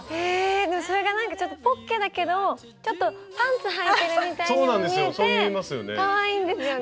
それがなんかちょっとポッケだけどちょっとパンツはいてるみたいにも見えてかわいいんですよね。